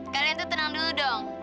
kalian tuh tenang dulu dong